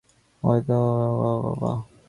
যদি অনুমতি করেন তো আরম্ভ করি।